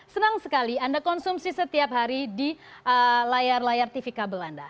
senang sekali anda konsumsi setiap hari di layar layar tv kabel anda